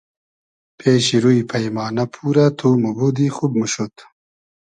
پېشی روی پݷمانۂ پورۂ تو موبودی خوب موشود